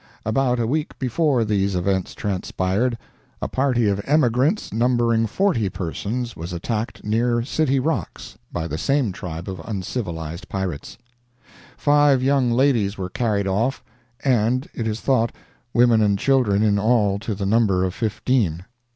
About a week before these events transpired, a party of emigrants numbering 40 persons was attacked near City Rocks by the same tribe of uncivilized pirates. Five young ladies were carried off, and, it is thought, women and children in all to the number of fifteen.